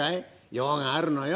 用があるのよ。